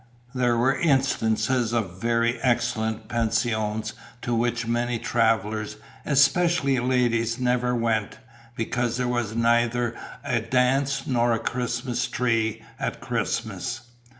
There were instances of very excellent pensions to which many travellers, especially ladies, never went, because there was neither a dance nor a Christmas tree at Christmas.